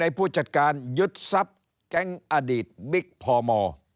ผู้จัดการยึดทรัพย์แก๊งอดีตบิ๊กพม